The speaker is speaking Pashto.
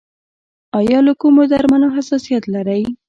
ایا له کومو درملو حساسیت لرئ؟